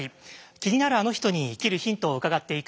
気になるあの人に生きるヒントを伺っていくシリーズです。